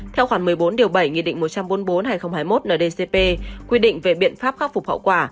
theo khoảng một mươi bốn bảy một trăm bốn mươi bốn hai nghìn hai mươi một ndcp quy định về biện pháp khắc phục hậu quả